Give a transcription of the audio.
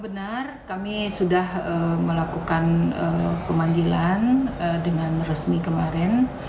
benar kami sudah melakukan pemanggilan dengan resmi kemarin